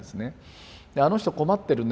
あの人困ってるね。